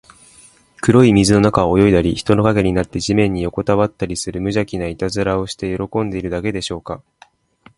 黒い水の中を泳いだり、人の影になって地面によこたわったりする、むじゃきないたずらをして喜んでいるだけでしょうか。